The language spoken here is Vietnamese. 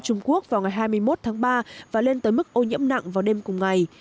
trung quốc vào ngày hai mươi một tháng ba và lên tới mức ô nhiễm nặng vào đêm cùng ngày